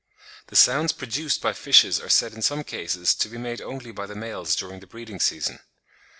The sounds produced by fishes are said in some cases to be made only by the males during the breeding season.